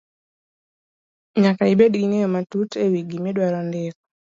nyaka ibed gi ng'eyo matut e wi gima idwaro ndiko.